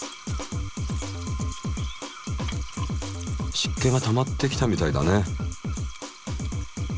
しっけがたまってきたみたいだね。